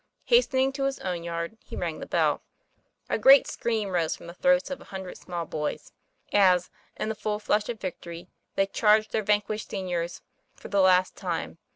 Hastening to his own yard, he rang the bell. A great scream rose from the throats of a hundred small boys, as, in the full flush of victory, they charged their vanquished seniors for the last time.